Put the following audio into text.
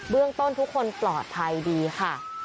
เรื่องต้นทุกคนปลอดภัยดีค่ะ